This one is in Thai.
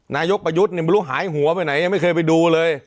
นายกประยุทธ์เนี่ยไม่รู้หายหัวไปไหนยังไม่เคยไปดูเลย